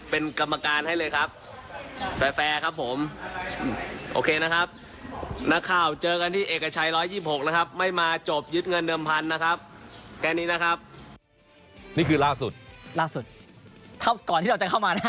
เท่าก่อนที่เราจะเข้ามานะ